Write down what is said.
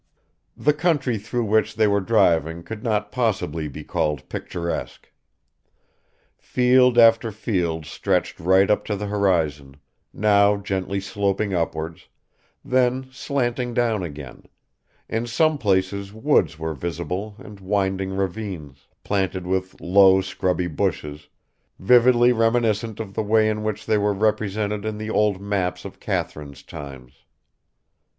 The country through which they were driving could not possibly be called picturesque. Field after field stretched right up to the horizon, now gently sloping upwards, then slanting down again; in some places woods were visible and winding ravines, planted with low scrubby bushes, vividly reminiscent of the way in which they were represented on the old maps of Catherine's times.